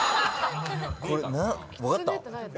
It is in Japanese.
これ分かった？